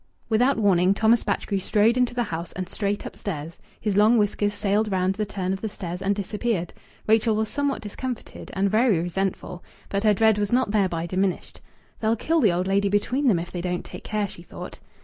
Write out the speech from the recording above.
Without warning, Thomas Batchgrew strode into the house and straight upstairs. His long whiskers sailed round the turn of the stairs and disappeared. Rachel was somewhat discomfited, and very resentful. But her dread was not thereby diminished. "They'll kill the old lady between them if they don't take care," she thought.